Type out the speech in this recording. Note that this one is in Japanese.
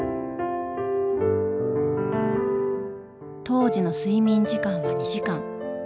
当時の睡眠時間は２時間。